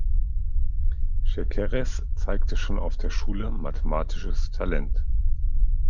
Szekeres zeigte schon auf der Schule mathematisches Talent.